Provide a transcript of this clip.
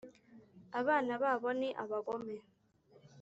abana babo ni abagome,